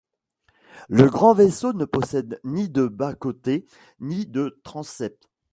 Le grand vaisseau ne possède ni de bas-côtés ni de transept.